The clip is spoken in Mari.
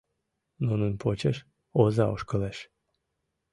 Нунын почеш оза ошкылеш.